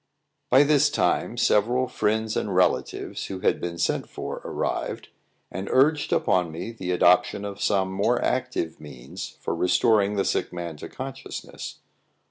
By this time, several friends and relatives, who had been sent for, arrived, and urged upon me the adoption of some more active means for restoring the sick man to consciousness.